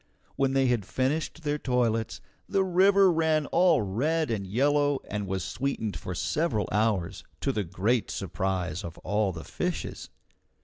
When they had finished their toilets, the river ran all red and yellow and was sweetened for several hours, to the great surprise of all the fishes.